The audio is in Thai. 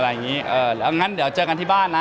อย่างนั้นเดี๋ยวเจอกันที่บ้านนะ